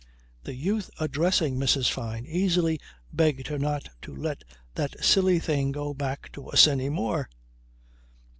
The youth addressing Mrs. Fyne easily begged her not to let "that silly thing go back to us any more."